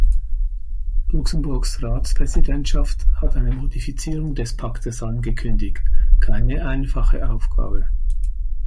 Luxemburgs Ratspräsidentschaft hat eine Modifizierung des Paktes angekündigt – keine einfache Aufgabe.